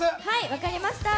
分かりました。